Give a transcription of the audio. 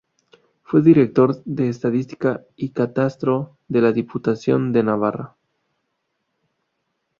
Fue director de Estadística y Catastro de la Diputación de Navarra.